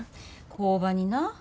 工場にな。